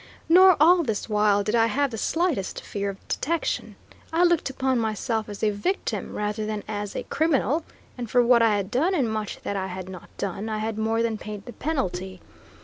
Nor, all this while, did I have the slightest fear of detection. I looked upon myself as a victim rather than as a criminal, and for what I had done, and much that I had not done, I had more than paid the penalty.